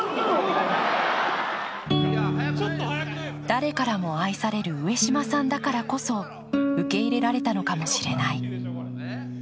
誰からも愛される上島さんだからこそ、受け入れられたのかもしれない。